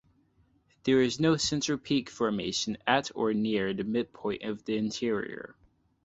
There is no central peak formation at or near the midpoint of the interior.